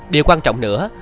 điều quan trọng nữa